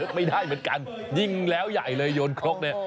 ไม่ได้เหมือนกันยิงแล้วใหญ่เลยโยนครกเนี่ย